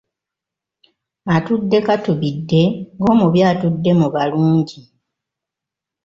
Atudde katubidde ng’omubi atudde mu balungi.